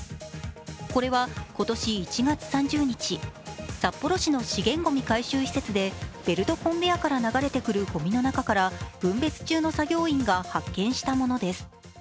これは、今年１月３０日札幌市の資源ごみ回収施設でベルトコンベヤーから流れてくるごみの中から分別中の作業員が発見したものです。